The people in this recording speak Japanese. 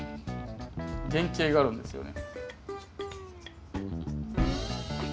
原型があるんですよね。